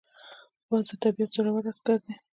باز د طبیعت زړور عسکر دی